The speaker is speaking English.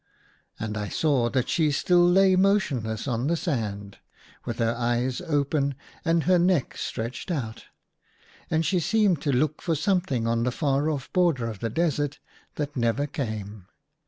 And I saw that she still lay motion less on the sand, with her eyes open and her neck stretched out. And she seemed to look for something on the far off border of the desert that never came.